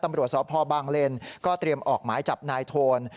หรือว่าสาวพ่อบางเล่นก็เตรียมออกหมายจับนายโทน